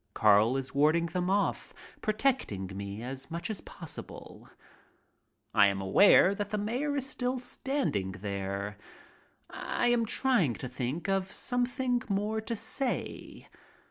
Carl is warding them off, protecting me as much as possible. I am aware that the mayor is still standing there. I am trying to think of something more to say.